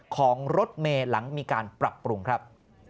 ของรถเมย์หลังมีการปรับปรุงครับ